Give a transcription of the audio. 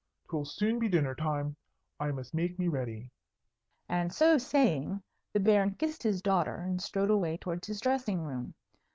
'Twill soon be dinner time. I must make me ready." And so saying, the Baron kissed his daughter and strode away towards his dressing room.